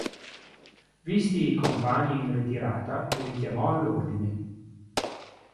Visti i compagni in ritirata, li richiamò all'ordine.